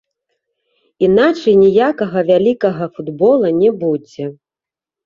Іначай ніякага вялікага футбола не будзе.